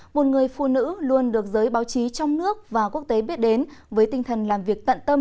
một người phụ nữ luôn được giới báo chí trong nước và quốc tế biết đến với tinh thần làm việc tận tâm